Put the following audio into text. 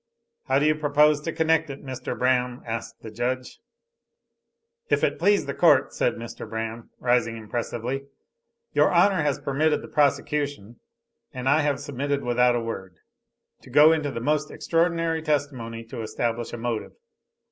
"How do you propose to connect it, Mr. Braham?" asked the judge. "If it please the court," said Mr. Braham, rising impressively, "your Honor has permitted the prosecution, and I have submitted without a word, to go into the most extraordinary testimony to establish a motive.